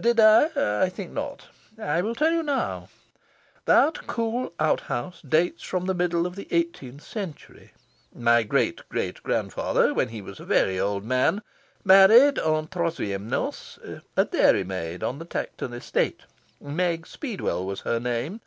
"Did I? I think not. I will tell you now... That cool out house dates from the middle of the eighteenth century. My great great grandfather, when he was a very old man, married en troisiemes noces a dairy maid on the Tankerton estate. Meg Speedwell was her name.